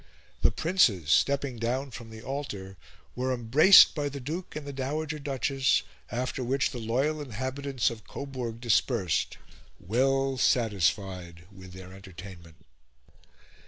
The Princes, stepping down from the altar, were embraced by the Duke and the Dowager Duchess; after which the loyal inhabitants of Coburg dispersed, well satisfied with their entertainment."